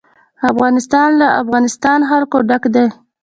افغانستان له د افغانستان جلکو ډک دی.